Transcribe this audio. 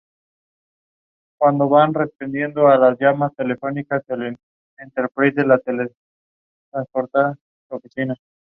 Su finalidad es la práctica, el asesoramiento y la divulgación de la astronomía.